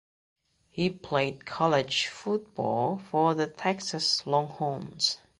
He played college football for the Texas Longhorns.